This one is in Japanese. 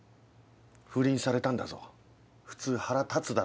不倫されたんだぞ普通腹立つだろ。